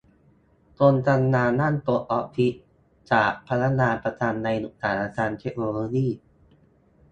คนทำงานนั่งโต๊ะออฟฟิศ จากพนักงานประจำในอุตสาหกรรมเทคโนโลยี